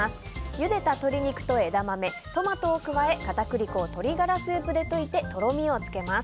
ゆでた鶏肉と枝豆、トマトを加え片栗粉を鶏ガラスープで溶いてとろみをつけます。